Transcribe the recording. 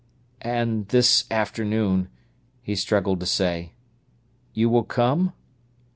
"And this afternoon," he struggled to say. "You will come?"